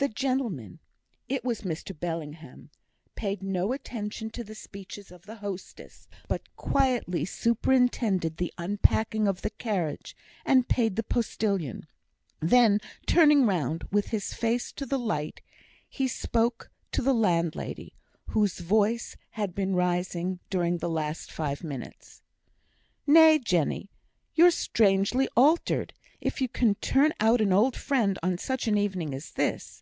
The gentleman (it was Mr Bellingham) paid no attention to the speeches of the hostess, but quietly superintended the unpacking of the carriage, and paid the postillion; then, turning round with his face to the light, he spoke to the landlady, whose voice had been rising during the last five minutes: "Nay, Jenny, you're strangely altered, if you can turn out an old friend on such an evening as this.